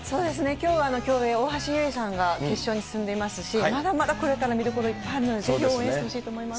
きょうは競泳、大橋悠依さんが決勝に進んでいますし、まだまだこれから見どころいっぱいあるので、ぜひ応援していただきたいと思います。